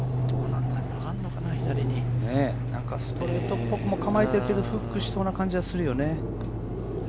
ストレートっぽくも構えているけどフックしそうな感じもするよね。